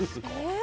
え？